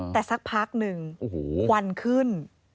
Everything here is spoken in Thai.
แต่สักพักหนึ่งควันขึ้น